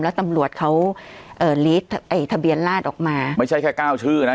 แล้วตำรวจเขาเอ่อลีดไอ้ทะเบียนลาดออกมาไม่ใช่แค่เก้าชื่อนะ